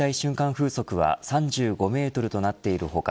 風速は３５メートルとなっている他